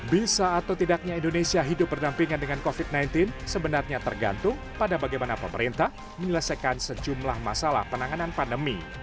bisa atau tidaknya indonesia hidup berdampingan dengan covid sembilan belas sebenarnya tergantung pada bagaimana pemerintah menyelesaikan sejumlah masalah penanganan pandemi